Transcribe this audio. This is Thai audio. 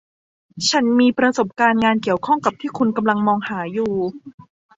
ฉันมีประสบการณ์งานเกี่ยวข้องกับที่คุณกำลังมองหาอยู่